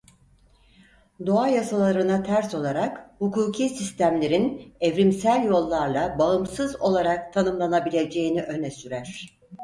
Doğa yasalarına ters olarak hukuki sistemlerin evrimsel yollarla bağımsız olarak tanımlanabileceğini öne sürer.